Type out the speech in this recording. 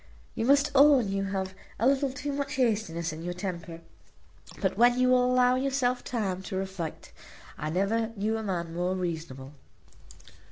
You must own you have a little too much hastiness in your temper; but when you will allow yourself time to reflect I never knew a man more reasonable."